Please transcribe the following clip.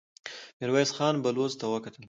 ميرويس خان بلوڅ ته وکتل.